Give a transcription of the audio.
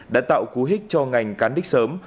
đã tạo cú hích cho ngành cán đích sớm